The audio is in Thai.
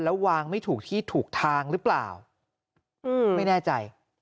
แล้ววางไม่ถูกที่ถูกทางหรือเปล่าไม่แน่ใจ